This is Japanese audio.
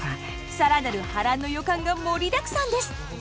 更なる波乱の予感が盛りだくさんです。